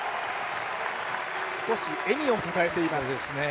少し笑みをたたえています。